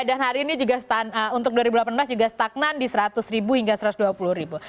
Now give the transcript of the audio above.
dan hari ini juga untuk dua ribu delapan belas juga stagnan di seratus ribu hingga satu ratus dua puluh ribu